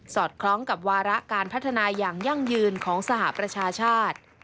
อดคล้องกับวาระการพัฒนาอย่างยั่งยืนของสหประชาชาติ